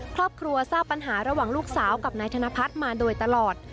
ครอบครัวทราบปัญหาระหว่างลูกสาวกับนายธนพัฒน์มาโดยตลอด